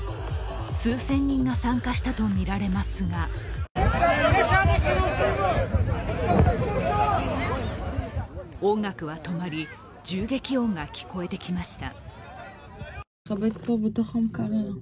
数千人が参加したとみられますが音楽は止まり、銃撃音が聞こえてきました。